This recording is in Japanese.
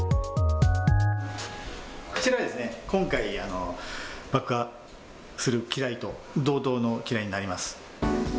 こちらですね、今回、爆破する機雷と同等の機雷になります。